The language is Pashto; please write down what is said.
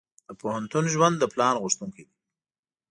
د پوهنتون ژوند د پلان غوښتونکی دی.